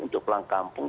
untuk pulang kampung